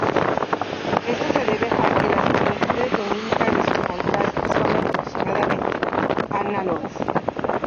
Esto se debe a que las magnitudes lumínicas de sus contrastes son aproximadamente análogas.